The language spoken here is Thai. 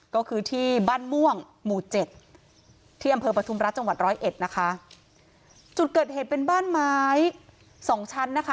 ก็คือที่บ้านม่วงหมู่เจ็ดที่อำเภอปฐุมรัฐจังหวัดร้อยเอ็ดนะคะจุดเกิดเหตุเป็นบ้านไม้สองชั้นนะคะ